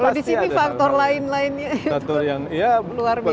kalau di sini faktor lain lainnya luar biasa banyak ya